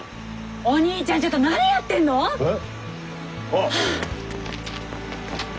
お兄ちゃんちょっと何やってんの！？え？ああ。